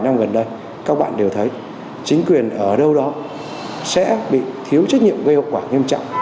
năm gần đây các bạn đều thấy chính quyền ở đâu đó sẽ bị thiếu trách nhiệm gây hậu quả nghiêm trọng